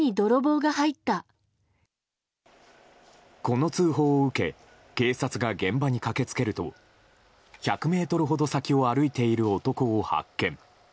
この通報を受け警察が現場に駆け付けると１００ｍほど先を歩いている男を発見。